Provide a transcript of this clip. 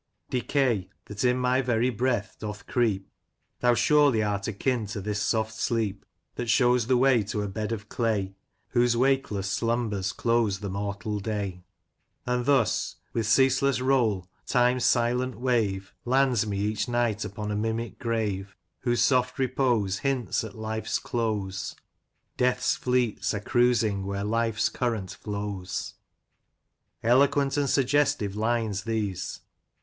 Decay, that in my very breath doth creep, Thou surely art akin to this soft sleep. That shews the way To a bed of clay, Whose wakeless slumbers close the mortal day. 28 Lancashire Characters and Places. And thus, with ceaseless roll, time's silent wave Lands me each night upon a mimic grave, Whose soft repose Hints at life's close, — Death's fleets are cruising where life's current flows. Eloquent and suggestive lines these.